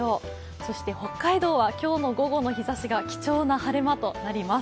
そして北海道は今日の午後の日ざしが貴重な晴れ間となります。